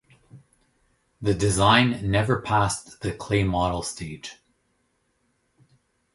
The design never passed the clay model stage.